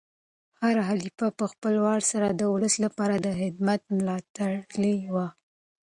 هر خلیفه په خپل وار سره د ولس لپاره د خدمت ملا تړلې وه.